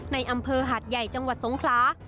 ในอำเภอหาดใหญ่จังหวัดสงคลา